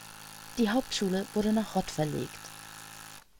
Die Hauptschule wurde nach Rott verlegt.